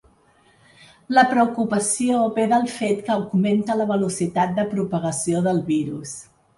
La preocupació ve del fet que augmenta la velocitat de propagació del virus.